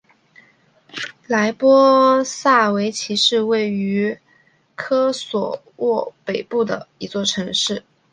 莱波萨维奇是位于科索沃北部的一座城市。